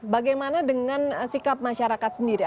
bagaimana dengan sikap masyarakat sendiri